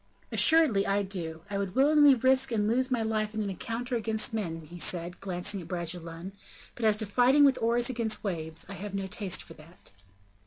"Assuredly I do; I would willingly risk and lose my life in an encounter against men," he said, glancing at Bragelonne, "but as to fighting with oars against waves, I have no taste for that."